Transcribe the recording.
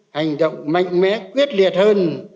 hành động mạnh mẽ quyết liệt hơn